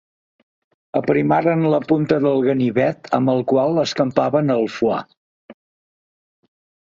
Aprimaren la punta del ganivet amb el qual escampaven el foie.